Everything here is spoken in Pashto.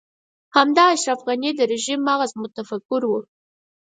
همدا اشرف غني د رژيم مغز متفکر و.